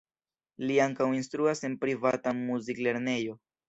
Li ankaŭ instruas en privata muziklernejo.